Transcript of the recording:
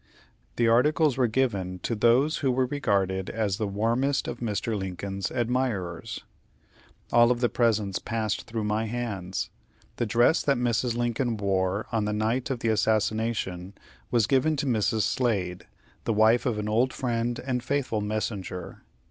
The articles were given to those who were regarded as the warmest of Mr. Lincoln's admirers. All of the presents passed through my hands. The dress that Mrs. Lincoln wore on the night of the assassination was given to Mrs. Slade, the wife of an old and faithful messenger.